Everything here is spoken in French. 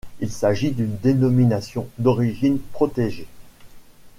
Il s'agit d'une dénomination d'origine protégée.